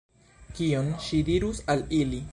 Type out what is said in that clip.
Kion ŝi dirus al ili?